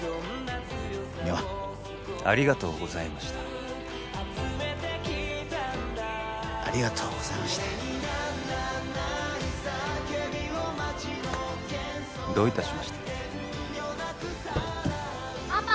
深山ありがとうございましたありがとうございましたどういたしましてパパ！